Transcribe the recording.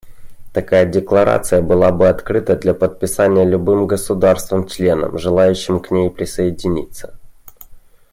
Такая декларация была бы открыта для подписания любым государством-членом, желающим к ней присоединиться.